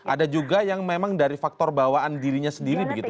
ada juga yang memang dari faktor bawaan dirinya sendiri begitu